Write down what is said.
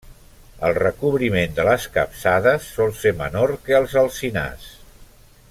El recobriment de les capçades sol ser menor que als alzinars.